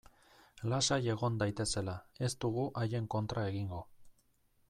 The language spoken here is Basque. Lasai egon daitezela, ez dugu haien kontra egingo.